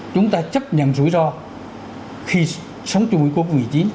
chúng ta chấp nhận rủi ro khi sống chung với covid một mươi chín